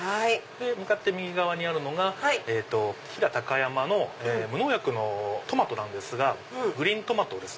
向かって右側にあるのが飛騨高山の無農薬のトマトグリーントマトですね。